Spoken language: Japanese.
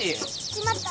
しまった。